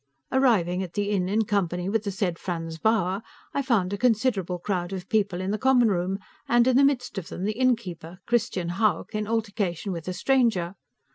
Arriving at the inn in company with the said Franz Bauer, I found a considerable crowd of people in the common room, and, in the midst of them, the innkeeper, Christian Hauck, in altercation with a stranger.